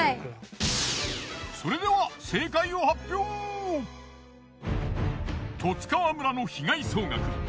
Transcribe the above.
それでは十津川村の被害総額